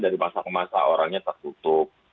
dari masa ke masa orangnya tertutup